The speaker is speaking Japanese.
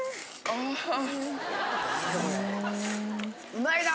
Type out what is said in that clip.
うまいな！